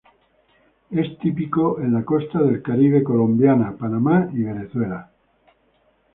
Es típico en la Costa Caribe colombiana, Panamá y Venezuela.